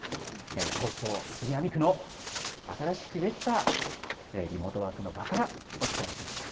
東京・杉並区の新しく出来たリモートワークの場からお伝えしました。